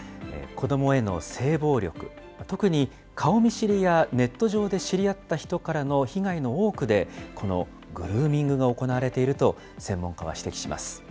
子どもへの性暴力、特に、顔見知りやネット上で知り合った人からの被害の多くで、このグルーミングが行われていると、専門家は指摘します。